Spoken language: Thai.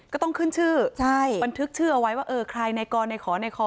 ก็ต้องขึ้นชื่อบันทึกชื่อเอาไว้ว่าเออใครในกรในขอในคอ